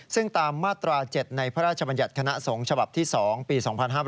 ซึ่งตามมาตรา๗ในพระราชบัญญัติคณะสงฆ์ฉบับที่๒ปี๒๕๕๙